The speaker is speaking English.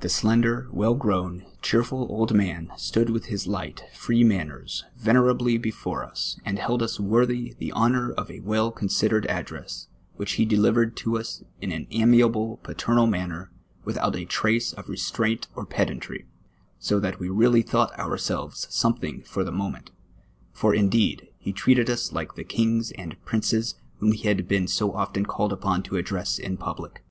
The slender, M'ell groA\ai, cheerfid old man stood with his light, free manners, venerably before us, and held us vvorth^■ the honom* of a well considered address, which he de livcred to us in an amiable paternal manner, M ithout a trace of restraint or pedantrj , so that we really thought ourselves something for the moment ; for, indeed, he treated us like the kings and princes whom he had been so often called upon to address in public.